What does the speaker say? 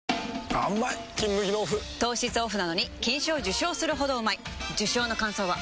あーうまい「金麦」のオフ糖質オフなのに金賞受賞するほどうまい受賞の感想は？